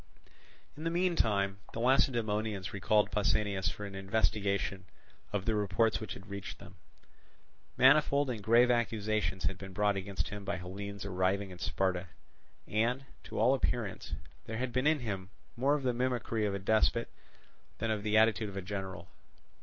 In the meantime the Lacedaemonians recalled Pausanias for an investigation of the reports which had reached them. Manifold and grave accusations had been brought against him by Hellenes arriving in Sparta; and, to all appearance, there had been in him more of the mimicry of a despot than of the attitude of a general.